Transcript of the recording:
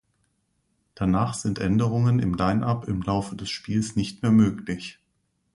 Danach sind Änderungen im Line-up im Laufe des Spiels nicht mehr möglich.